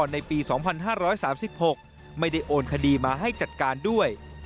ในปี๒๕๓๖ไม่ได้โอนคดีมาให้จัดการด้วย